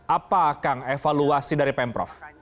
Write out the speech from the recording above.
apa kang evaluasi dari pemprov